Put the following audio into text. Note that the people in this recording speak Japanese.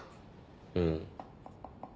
うん。